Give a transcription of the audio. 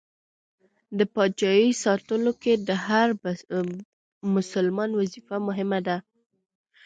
د پاچایۍ ساتلو کې د هر بسلمان وظیفه مهمه ده.